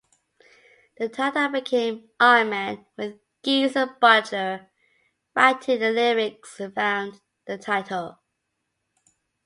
The title became "Iron Man", with Geezer Butler writing the lyrics around the title.